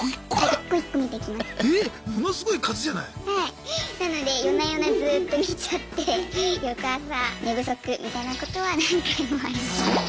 なので夜な夜なずっと見ちゃって翌朝寝不足みたいなことは何回もありました。